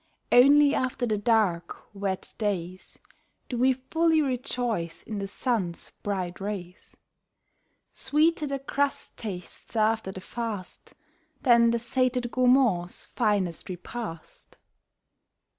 Only after the dark, wet days Do we fully rejoice in the sun's bright rays. Sweeter the crust tastes after the fast Than the sated gourmand's finest repast.